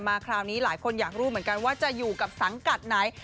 คราวนี้หลายคนอยากรู้เหมือนกันว่าจะอยู่กับสังกัดไหน